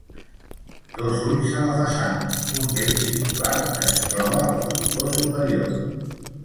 Dos ulls a la façana, un d'ells circular, que es troba al frontó superior.